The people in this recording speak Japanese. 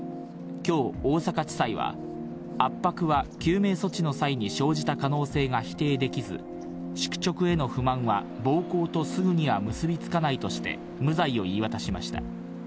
きょう大阪地裁は、圧迫は救命措置の際に生じた可能性が否定できず、宿直への不満は、暴行とすぐには結び付かないとして、無罪を言い渡しました。